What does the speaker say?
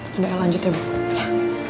yaudah el lanjut ya